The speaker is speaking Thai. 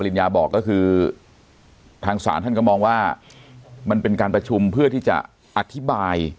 ริญญาบอกก็คือทางศาลท่านก็มองว่ามันเป็นการประชุมเพื่อที่จะอธิบาย